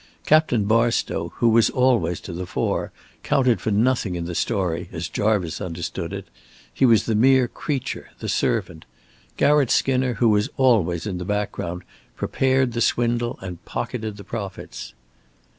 Captain Barstow, who was always to the fore, counted for nothing in the story as Jarvice understood it. He was the mere creature, the servant. Garratt Skinner, who was always in the background, prepared the swindle and pocketed the profits.